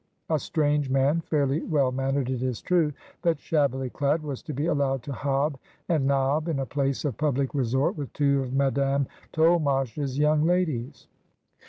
A strange man, fairly well mannered it is true, but shabbily clad, was to be allowed to hob and nob in a place of public resort with two of Madame Tolmache's young ladies.